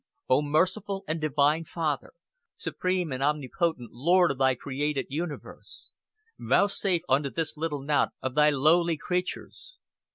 "O merciful and divine Father, supreme and omnipotent lord of Thy created universe, vouchsafe unto this little knot of Thy lowly creatures